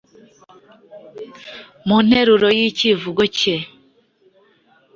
mu nteruro y’icyivugo cye